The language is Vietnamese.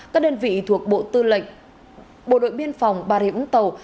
các đơn vị thuộc bộ tư lệnh bộ đội biên phòng bà rịa vũng tàu